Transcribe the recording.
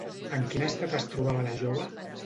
En quin estat es trobava la jove?